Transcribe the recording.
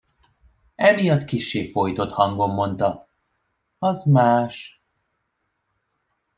Emiatt kissé fojtott hangon mondta: Az más.